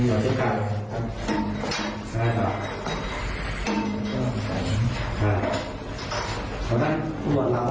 แล้วทาเมล็ดที่ไหนเราขอบคุณครับ